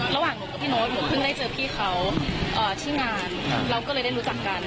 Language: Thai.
ระหว่างหนูกับพี่โน๊ตหนูเพิ่งได้เจอพี่เขาชื่องานเราก็เลยได้รู้จักกัน